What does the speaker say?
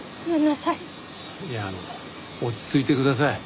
いやあの落ち着いてください。